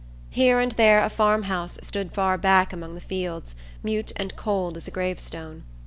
Here and there a farmhouse stood far back among the fields, mute and cold as a grave stone.